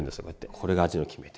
これが味の決め手